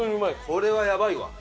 これはやばいわ。